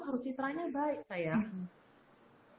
harus citranya baik sayang